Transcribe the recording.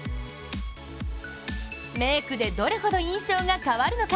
メークでどれほど印象が変わるのか。